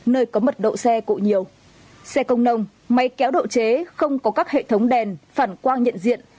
nơi có mật độ xe cộ nhiều xe công nông máy kéo độ chế không có các hệ thống đèn phản quang nhận diện